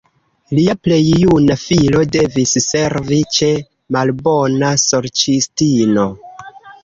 Lia plej juna filo devis servi ĉe malbona sorĉistino.